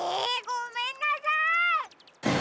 ごめんなさい！